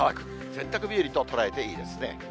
洗濯日和と捉えていいですね。